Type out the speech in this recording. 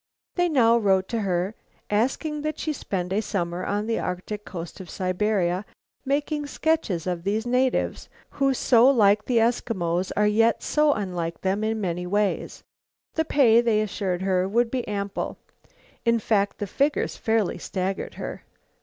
They now wrote to her, asking that she spend a summer on the Arctic coast of Siberia, making sketches of these natives, who so like the Eskimos are yet so unlike them in many ways. The pay, they assured her, would be ample; in fact, the figures fairly staggered her.